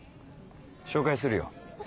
紹介するよ